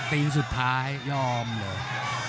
ตีสุดท้ายยอมเลย